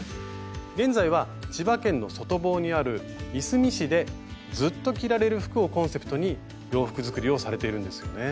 現在は千葉県の外房にあるいすみ市で「ずっと着られる服」をコンセプトに洋服作りをされているんですよね。